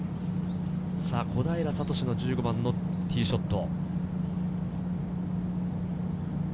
小平智、１５番のティーショット。